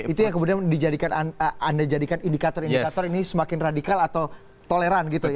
itu yang kemudian anda jadikan indikator indikator ini semakin radikal atau toleran gitu ya